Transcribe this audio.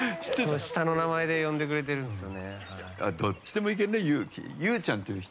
下の名前で呼んでくれてるんですよね。